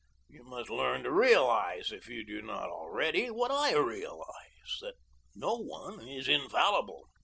You must learn to realize, if you do not already, what I realize that no one is infallible.